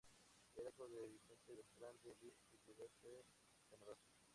Era hijo de Vicente Bertrán de Lis, que llegó a ser senador.